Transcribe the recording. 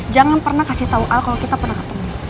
jangan pernah kasih tau al kalau kita pernah ketemu